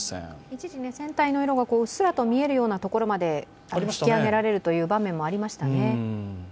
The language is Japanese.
一時、船体の色がうっすら見えるようなところまで引き揚げられるという場面もありましたね。